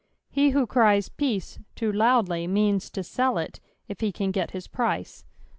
He who cries " peace" too loudly, means to sell it if he can get his price.